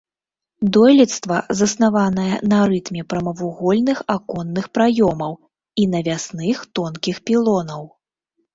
Дойлідства заснаванае на рытме прамавугольных аконных праёмаў і навясных тонкіх пілонаў.